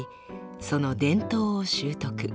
その伝統を習得。